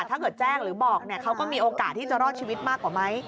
ถ้าเกิดแจ้งหรือบอกเขาก็มีโอกาสที่จะรอดชีวิตมากกว่าไหม